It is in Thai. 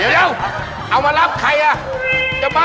เอาออกมาเอาออกมาเอาออกมาเอาออกมา